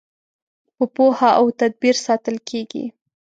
په پوهه او تدبیر ساتل کیږي.